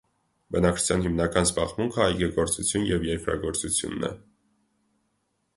Բնակչության հիմնական զբաղմունքը այգեգործություն և երկրագործությունն էր։